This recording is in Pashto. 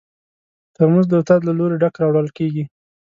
ترموز د استاد له لوري ډک راوړل کېږي.